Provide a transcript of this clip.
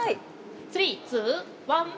３２１